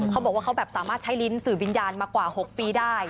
เขาบอกว่าเขาแบบสามารถใช้ลิ้นสื่อวิญญาณมากว่า๖ปีได้